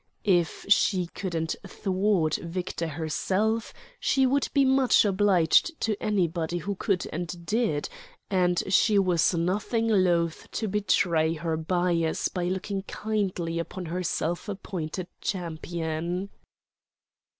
If she couldn't thwart Victor herself, she would be much obliged to anybody who could and did; and she was nothing loath to betray her bias by looking kindly upon her self appointed champion.